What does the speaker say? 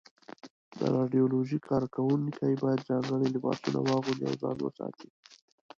د رادیالوجۍ کارکوونکي باید ځانګړي لباسونه واغوندي او ځان وساتي.